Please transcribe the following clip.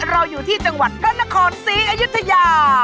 เราอยู่ที่จังหวัดฮันนครซีอายุทยา